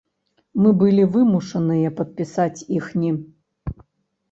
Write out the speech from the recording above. Мы былі вымушаныя падпісаць іхні.